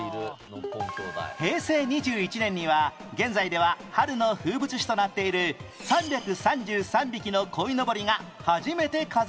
平成２１年には現在では春の風物詩となっている３３３匹の鯉のぼりが初めて飾られました